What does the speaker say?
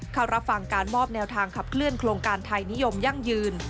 เข้ารับฟังการมอบแนวทางขับเคลื่อนโครงการไทยนิยมยั่งยืน